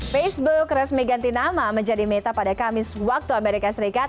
facebook resmi ganti nama menjadi meta pada kamis waktu amerika serikat